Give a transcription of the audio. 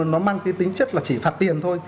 nó mang cái tính chất là chỉ phạt tiền thôi